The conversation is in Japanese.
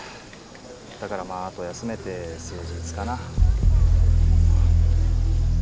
だからあと休めて数日かな。